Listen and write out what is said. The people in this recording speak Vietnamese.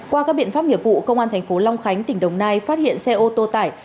qua các biện pháp nhiệm vụ công an tp long khánh tỉnh đồng nai phát hiện xe ô tô tải